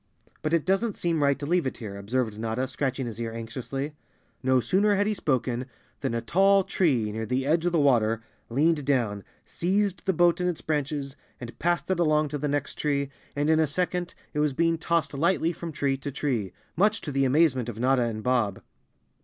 " But it doesn't seem right to leave it here," observed Notta, scratching his ear anxiously. No sooner had he spoken than a tall tree near the edge of the water leaned down, seized the boat in its branches, and passed 240 __ Chapter Eighteen it along to the next tree, and in a second it was being tossed lightly from tree to tree, much to the amazement of Notta and Bob.